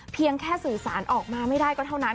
เพียงแค่สื่อสารออกมาไม่ได้ก็เท่านั้น